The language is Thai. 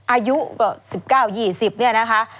อายุก็๑๙๒๐เนี่ยนะคะ